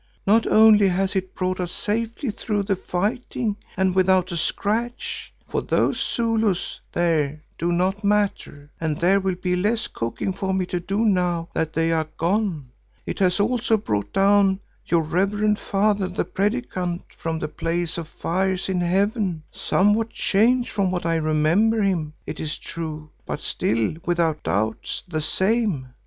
Not only has it brought us safely through the fighting and without a scratch, for those Zulus there do not matter and there will be less cooking for me to do now that they are gone; it has also brought down your reverend father the Predikant from the Place of Fires in Heaven, somewhat changed from what I remember him, it is true, but still without doubt the same.